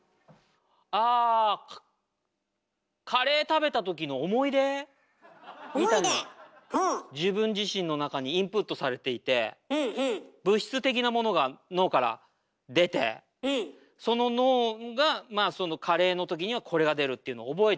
みたいなのが自分自身の中にインプットされていて物質的なものが脳から出てその脳がまあそのカレーの時にはこれが出るっていうのを覚えちゃってるんで。